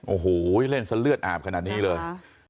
โอ้โหเล่นซะเลือดอาบขนาดนี้เลย